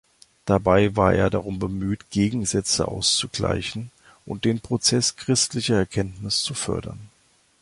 Dabei war er darum bemüht, Gegensätze auszugleichen und den Prozess christlicher Erkenntnis zu fördern.